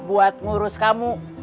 buat ngurus kamu